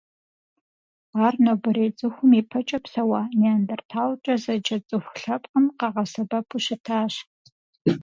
Ар нобэрей цӏыхум ипэкӏэ псэуа Неандрталкӏэ зэджэ цӏыху лъэпкъым къагъэсэбэпу щытащ.